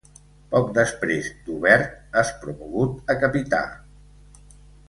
Poc després, d'Hubert és promogut a capità.